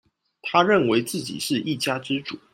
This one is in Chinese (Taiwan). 他認為自己是一家之主